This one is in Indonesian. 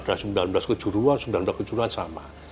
ada sembilan belas kejuruan sembilan belas kejuruan sama